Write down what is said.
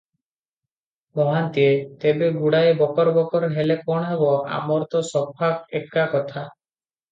ମହାନ୍ତିଏ- ତେବେ ଗୁଡାଏ ବକର ବକର ହେଲେ କଣ ହେବ, ଆମର ତ ସାଫ ଏକା କଥା ।